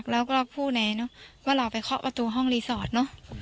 แล้วก็พูดในเนอะว่าเราไปเคาะประตูห้องรีสอร์ทเนอะ